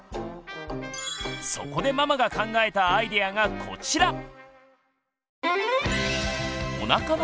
そこでママが考えたアイデアがこちら！